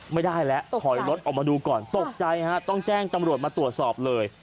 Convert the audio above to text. ไม่ได้แล้วถอยรถออกมาดูก่อนตกใจฮะต้องแจ้งตำรวจมาตรวจสอบเลย